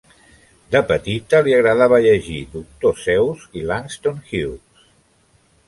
De petita li agradava llegir Doctor Seuss i Langston Hughes.